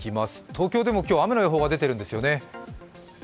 東京でも今日、雨の予報が出ているんですよね？